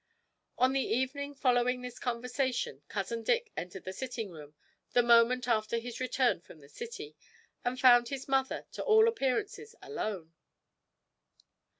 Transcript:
On the evening following this conversation cousin Dick entered the sitting room the moment after his return from the City, and found his mother to all appearances alone.